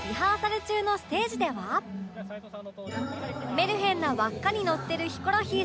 メルヘンな輪っかに乗ってるヒコロヒーさん